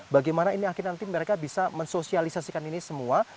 bagaimana ini akhirnya nanti mereka bisa mensosialisasikan ini semua